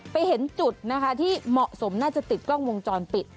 เห็นจุดนะคะที่เหมาะสมน่าจะติดกล้องวงจรปิด